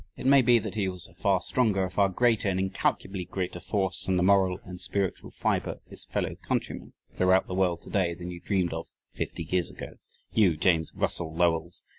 It may be that he is a far stronger, a far greater, an incalculably greater force in the moral and spiritual fibre of his fellow countrymen throughout the world today than you dreamed of fifty years ago. You, James Russell Lowells!